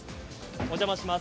お邪魔します。